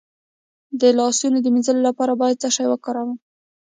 د لاسونو د مینځلو لپاره باید څه شی وکاروم؟